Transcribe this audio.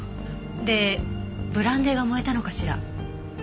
でブランデーが燃えたのかしら？